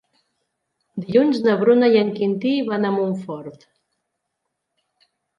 Dilluns na Bruna i en Quintí van a Montfort.